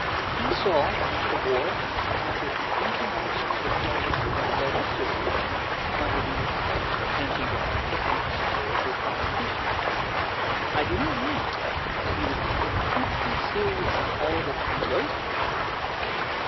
He saw, not the war so much as the international diplomacy that led up to the war, under the anti romantic and satirical comic vision. I do not mean that he was not intensely serious in all that he wrote about the war.